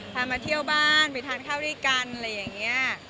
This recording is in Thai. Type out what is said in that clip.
พามาเที่ยวบ้านไปทานข้าวดีกันอะไรแบบนี้